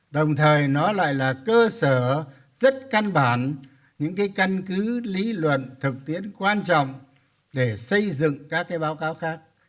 đồng thời nó lại là cơ sở rất căn bản những cái căn cứ lý luận thực tiễn quan trọng để xây dựng các cái báo cáo khác